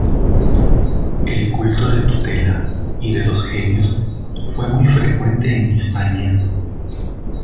El culto de Tutela, y de los genios, fue muy frecuente en Hispania.